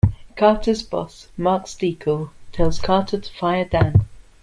Carter's boss, Mark Steckle, tells Carter to fire Dan.